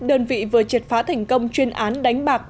đơn vị vừa triệt phá thành công chuyên án đánh bạc